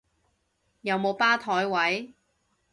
有冇吧枱位？